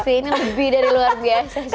ini lebih dari luar biasa